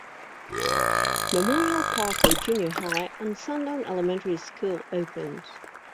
Memorial Parkway Junior High and Sundown Elementary School opened.